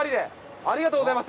ありがとうございます。